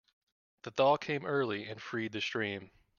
The thaw came early and freed the stream.